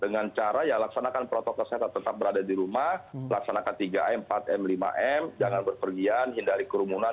dengan cara ya laksanakan protokol kesehatan tetap berada di rumah laksanakan tiga m empat m lima m jangan berpergian hindari kerumunan